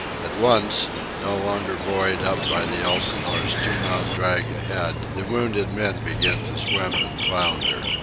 At once, no longer buoyed up by the Elsinore's two knot drag ahead, the wounded men began to swim and flounder.